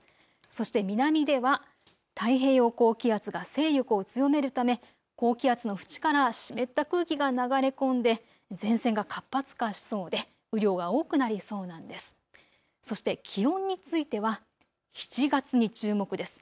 そして南では太平洋高気圧が勢力を強めるため高気圧の縁から湿った空気が流れ込んで前線が活発化しそうで雨量が多くなりそうなんです。